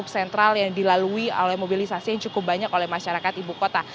sentral yang dilalui oleh mobilisasi yang cukup banyak oleh masyarakat ibu kota